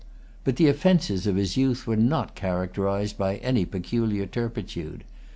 But the offences of his youth were not characterized by any peculiar turpitude.